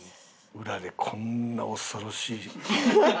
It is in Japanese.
裏でこんな恐ろしい。